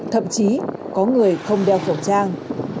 thậm chí có người không đeo khẩu trang